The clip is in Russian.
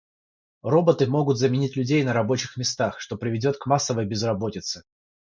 Роботы могут заменить людей на рабочих местах, что приведет к массовой безработице.